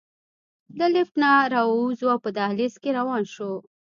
له لفټ نه راووځو او په دهلېز کې روان شو.